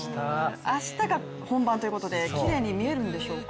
明日が本番ということできれいに見えるんでしょうか？